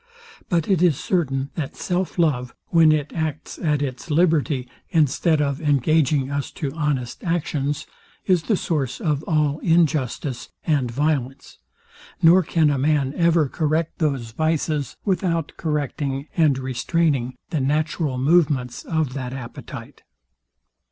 But it is certain, that self love, when it acts at its liberty, instead of engaging us to honest actions, is the source of all injustice and violence; nor can a man ever correct those vices, without correcting and restraining the natural movements of that appetite.